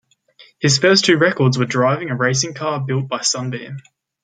His first two records were driving a racing car built by Sunbeam.